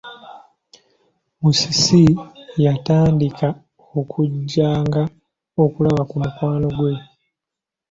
Musisi yatandika okujjanga okulaba ku mukwano gwe.